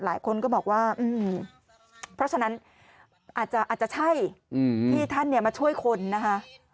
หลายคนก็บอกว่าเพราะฉะนั้นอาจจะใช่ที่ท่านมาช่วยคนนะคะ